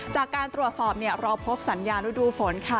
จากการตรวจสอบเราพบสัญญาณฤดูฝนค่ะ